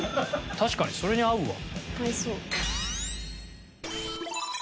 確かにそれに合うわ。